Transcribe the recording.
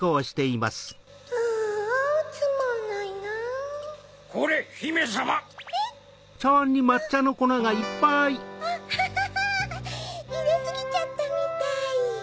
いれすぎちゃったみたい。